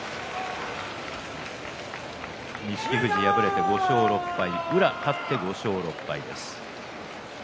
錦富士、敗れて５勝６敗宇良、勝って５勝６敗です。